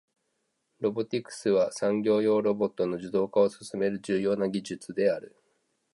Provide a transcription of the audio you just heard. ロボティクスは、産業用ロボットの自動化を進める重要な技術である。